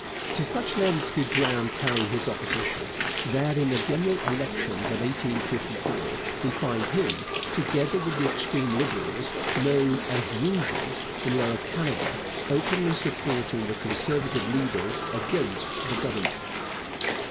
To such lengths did Brown carry his opposition, that in the general elections of 1854 we find him, together with the extreme Liberals, known as Rouges, in Lower Canada, openly supporting the Conservative leaders against the Government.